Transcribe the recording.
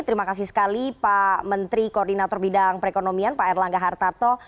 terima kasih sekali pak menteri koordinator bidang perekonomian pak erlangga hartarto